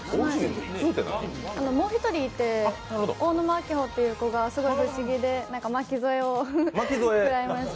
もう一人いて、その子がすごい不思議で巻き添えを食らいました。